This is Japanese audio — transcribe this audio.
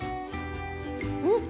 うん！